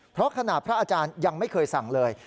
เพราะขณะพระอาจารย์ยังไม่เคยสั่งเลย